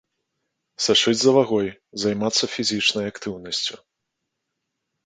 Сачыць за вагой, займацца фізічнай актыўнасцю.